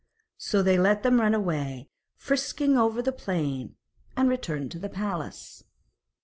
So they let them run away, frisking over the plain, and returned to the palace.